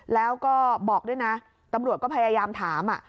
แล้วก็บอกด้วยนะตำรวจก็พยายามถาม